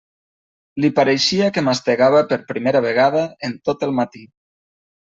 Li pareixia que mastegava per primera vegada en tot el matí.